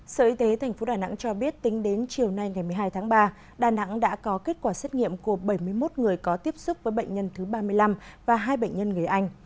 sở y tế tp đà nẵng cho biết tính đến chiều nay ngày một mươi hai tháng ba đà nẵng đã có kết quả xét nghiệm của bảy mươi một người có tiếp xúc với bệnh nhân thứ ba mươi năm và hai bệnh nhân người anh